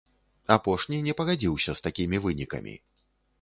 Апошні не пагадзіўся з такімі вынікамі.